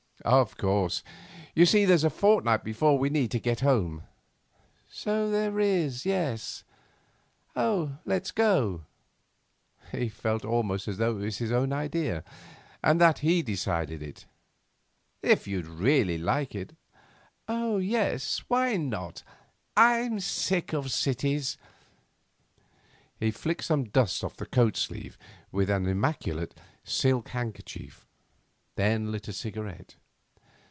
'Of course. You see there's a fortnight before we need get home.' 'So there is, yes. Let's go.' He felt it was almost his own idea, and that he decided it. 'If you'd really like it.' 'Oh, yes. Why not? I'm sick of cities.' He flicked some dust off his coat sleeve with an immaculate silk handkerchief, then lit a cigarette.